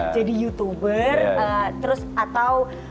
jadi youtuber terus atau